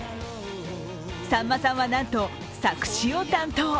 さんまさんはなんと、作詞を担当。